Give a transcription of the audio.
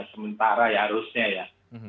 sementara ya harusnya ya